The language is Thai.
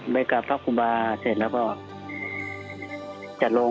ไปกลับพระครูบาเสร็จแล้วว่า